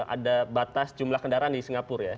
ada batas jumlah kendaraan di singapura ya